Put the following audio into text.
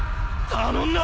頼んだ！